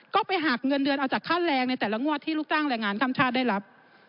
ก็ไปหักเงินเดือนเอาจากค่าแรงในแต่ละงวดที่ลูกจ้างแรงงานข้ามชาติได้รับ